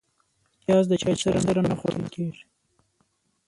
پیاز د چای سره نه خوړل کېږي